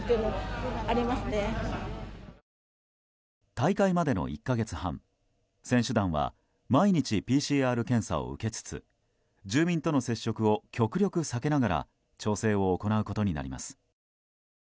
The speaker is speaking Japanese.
大会までの１か月半、選手団は毎日ＰＣＲ検査を受けつつ住民との接触を極力避けながら調整を行うことになります。